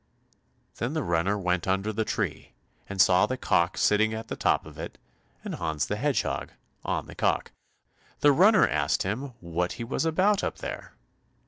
Then the runner went under the tree, and saw the cock sitting at the top of it, and Hans the Hedgehog on the cock. The runner asked him what he was about up there?